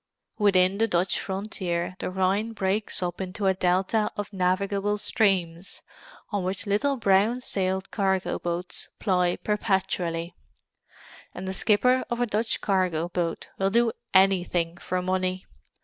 Within the Dutch frontier the Rhine breaks up into a delta of navigable streams, on which little brown sailed cargo boats ply perpetually; and the skipper of a Dutch cargo boat will do anything for money.